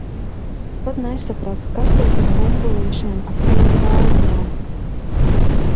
Tad nesapratu, kas tie par bumbulīšiem ap viņu kājiņām.